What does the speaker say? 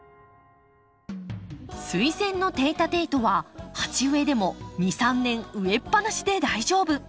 スイセンのテイタテイトは鉢植えでも２３年植えっぱなしで大丈夫！